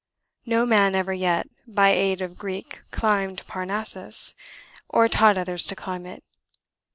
No man ever yet 'by aid of Greek climbed Parnassus,' or taught others to climb it.